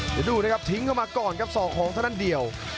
เดี๋ยวดูนะครับทิ้งเข้ามาก่อนครับศอกของเท่านั้นเดี่ยว